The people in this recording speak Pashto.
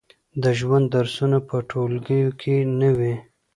د ژوند درسونه په ټولګیو کې نه وي.